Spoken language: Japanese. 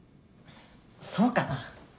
そうかな？